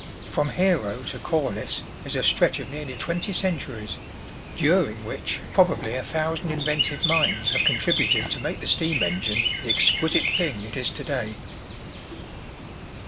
From Hero to Corliss is a stretch of nearly twenty centuries; during which, probably, a thousand inventive minds have contributed to make the steam engine the exquisite thing it is to day.